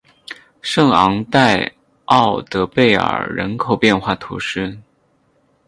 圣昂代奥德贝尔人口变化图示